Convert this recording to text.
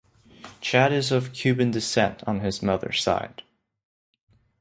Chad is of Cuban descent on his mother's side.